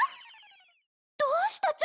どうしたっちゃ？